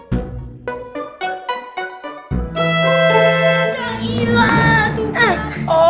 gak ilah tuh